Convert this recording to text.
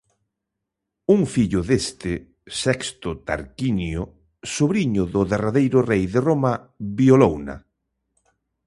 Un fillo deste, Sexto Tarquinio, sobriño do derradeiro rei de Roma, violouna.